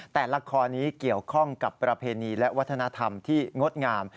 แต่ละครนี้เกี่ยวข้องกับประเพณีและวัฒนธรรมที่งดงาม